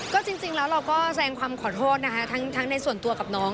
ก็จริงแล้วเราก็แสงความขอโทษนะคะทั้งในส่วนตัวกับน้อง